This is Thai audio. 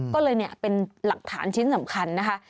ก็เลยเนี่ยเป็นหลักฐานชิ้นสำคัญนะคะ